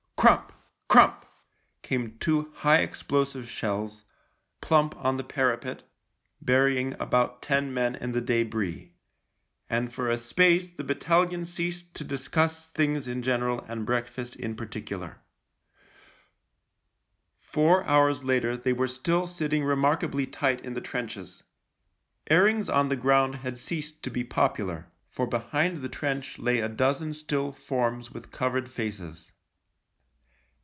Crump, crump came two high explosive shells — plump on the parapet — burying about ten men in the debris. And for a space the bat talion ceased to discuss things in general and breakfast in particular. Four hours later they were still sitting remarkably tight in the trenches. Airings on the ground had ceased to be popular — for behind the trench lay a dozen still forms with covered faces.